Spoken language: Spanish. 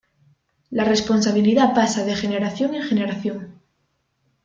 La responsabilidad pasa de generación en generación.